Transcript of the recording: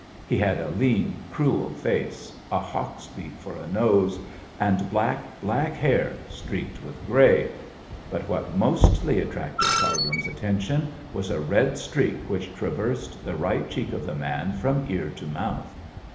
He had a lean, cruel face, a hawk's beak for a nose, and black, black hair streaked with grey; but what mostly attracted Cargrim's attention was a red streak which traversed the right cheek of the man from ear to mouth.